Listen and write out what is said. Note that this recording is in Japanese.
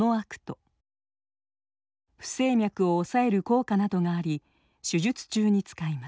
不整脈を抑える効果などがあり手術中に使います。